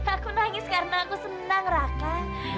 aku nangis karena aku senang raka